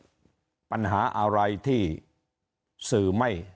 สวัสดีครับท่านผู้ชมครับสวัสดีครับท่านผู้ชมครับ